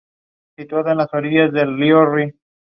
Only titles held suo jure are listed.